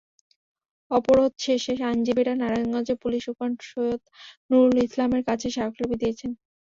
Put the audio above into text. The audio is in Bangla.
অবরোধ শেষে আইনজীবীরা নারায়ণগঞ্জের পুলিশ সুপার সৈয়দ নুরুল ইসলামের কাছে স্মারকলিপি দিয়েছেন।